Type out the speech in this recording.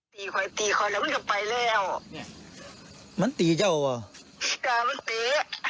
ตีค่อยตีค่อยแล้วมันก็ไปแล้วมันตีเจ้าว่ะมันตี